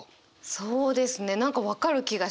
そうですね何か分かる気がします。